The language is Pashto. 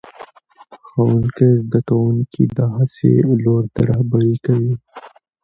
ښوونکی زده کوونکي د هڅې لور ته رهبري کوي